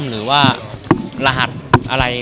หรือว่ารหัสอะไร